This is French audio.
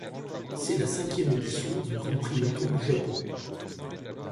C'est la cinquième édition du Grand Prix moto du Japon.